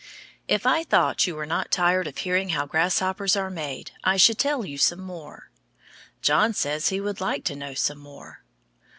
If I thought you were not tired of hearing how grasshoppers are made, I should tell you some more. John says he would like to know some more.